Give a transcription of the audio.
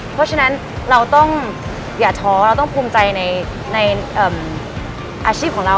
เพราะฉะนั้นเราต้องอย่าท้อเราต้องภูมิใจในอาชีพของเรา